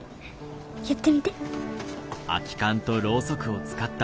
やってみて。